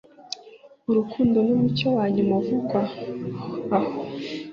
urukundo numucyo wanyuma uvugwa. oh